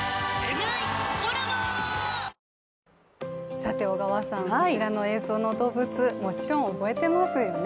さて小川さん、こちらの映像の動物、もちろん覚えてますよね？